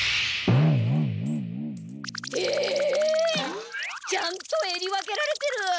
えっ！ちゃんとえり分けられてる！